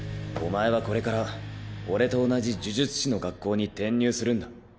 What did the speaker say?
お前はこれから俺と同じ呪術師の学校に転入するんだ。